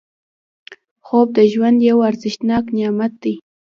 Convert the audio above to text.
خوب د ژوند یو ارزښتناک نعمت دی